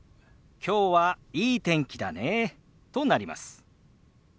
「きょうはいい天気だね」となります。